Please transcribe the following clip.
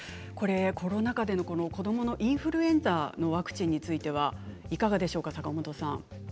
コロナ禍での子どものインフルエンザのワクチンについてはいかがでしょうか。